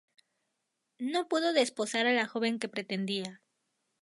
No pudo desposar a la joven que pretendía.